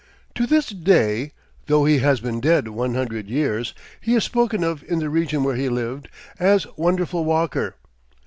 To this day, though he has been dead one hundred years, he is spoken of in the region where he lived, as Wonderful Walker.